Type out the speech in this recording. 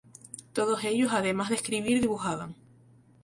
Todos ellos, además de escribir, dibujaban.